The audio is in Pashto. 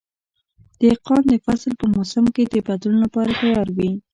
دهقان د فصل په موسم کې د بدلون لپاره تیار وي.